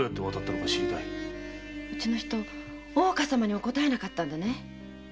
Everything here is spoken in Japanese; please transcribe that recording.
うちの人大岡様にも答えなかったんだね。